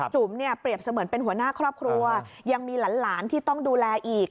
จุ๋มเนี่ยเปรียบเสมือนเป็นหัวหน้าครอบครัวยังมีหลานที่ต้องดูแลอีก